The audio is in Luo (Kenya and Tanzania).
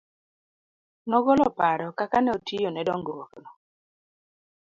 Nogolo paro kaka ne otiyo ne dong'ruok no.